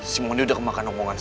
si moni udah kemakan omongan